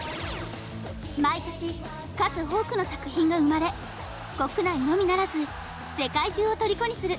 毎年数多くの作品が生まれ国内のみならず世界中をとりこにする